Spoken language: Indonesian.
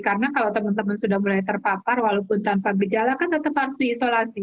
karena kalau teman teman sudah mulai terpapar walaupun tanpa gejala kan tetap harus diisolasi